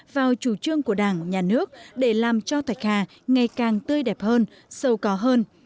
vào chủ trương của đảng nhà nước để làm cho thạch hà ngày càng tươi đẹp hơn sâu có hơn